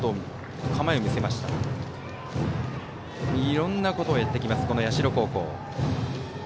いろんなことをやってきます、社高校。